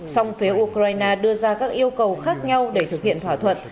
song phía ukraine đưa ra các yêu cầu khác nhau để thực hiện thỏa thuận